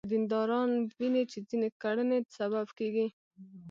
که دینداران ویني چې ځینې کړنې سبب کېږي.